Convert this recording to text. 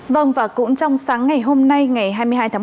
vâng và cũng trong sáng ngày hôm nay ngày hai mươi hai tháng một mươi